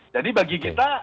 jadi bagi kita